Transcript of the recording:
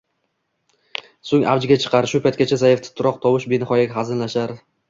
soʼng avjiga chiqar, shu paytda zaif titroq tovush benihoya hazinlashar